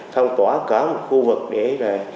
phong tỏa cả một khu vực để là